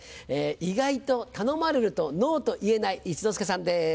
意外と頼まれると「ノー」と言えない一之輔さんです。